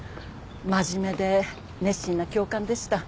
真面目で熱心な教官でした。